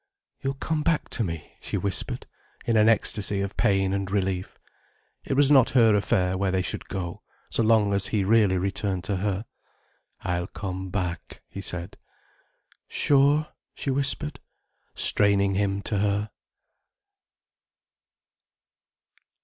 "You'll come back to me," she whispered, in an ecstasy of pain and relief. It was not her affair, where they should go, so long as he really returned to her. "I'll come back," he said. "Sure?" she whispered, straining him to her.